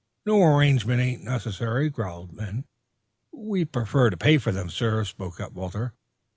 No arrangement ain't necessary," growled Ben. "We prefer to pay for them, sir," spoke up Walter.